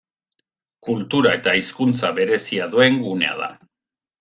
Kultura eta hizkuntza berezia duen gunea da.